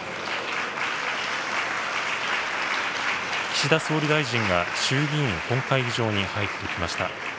岸田総理大臣が衆議院本会議場に入ってきました。